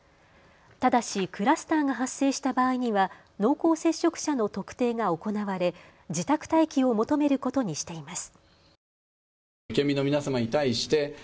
ただし、クラスターが発生した場合には濃厚接触者の特定が行われ自宅待機を求めることにしています。